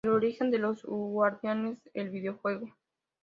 El Origen de los Guardianes: El videojuego